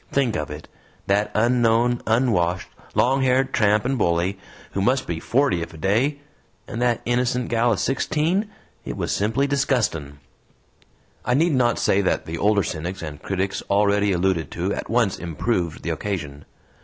Think of it! that unknown, unwashed, longhaired tramp and bully, who must be forty if a day, and that innocent gal of sixteen. It was simply disgustin'!" I need not say that the older cynics and critics already alluded to at once improved the occasion.